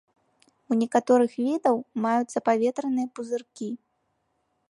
У некаторых відаў маюцца паветраныя пузыркі.